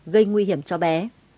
gây nguy hiểm cho bé